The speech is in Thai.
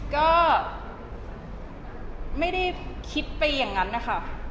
ก็ไม่ได้คิดไปอย่างนั้นนะคะ